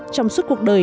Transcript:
trong suốt cuộc đời